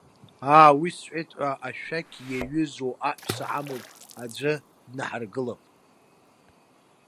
Аа, уи сҳәеит ҳәа ашәақь иаҩызоу аҳәса ҳамоуп, аӡәы днаҳаргылап.